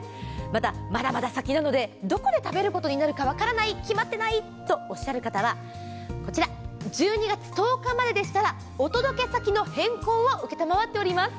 また、まだまだ先なのでどこで食べることになるか分からない決まっていないとおっしゃる方はこちら１２月１０日まででしたらお届け先の変更を承っております。